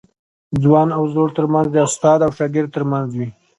ځوان او زوړ ترمنځ د استاد او شاګرد ترمنځ وي.